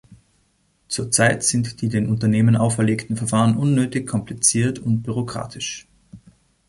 Zurzeit sind die den Unternehmern auferlegten Verfahren unnötig kompliziert und bürokratisch.